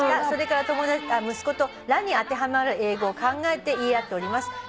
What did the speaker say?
「それから息子とラに当てはまる英語を考えて言い合っております」